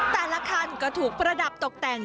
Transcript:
แต่ละคันก็ถูกประดับตกแต่ง